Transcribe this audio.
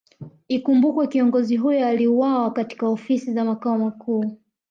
Ikumbukwe kiongozi huyo aliuwawa katika Ofisi za Makao Makuu